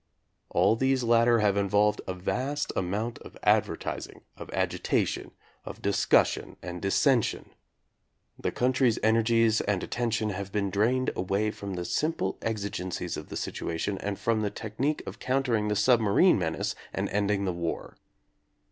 All these latter have involved a vast amount of advertising, of agitation, of discussion, and dissension. The country's energies and at tention have been drained away from the simple exigencies of the situation and from the technique of countering the submarine menace and ending the war.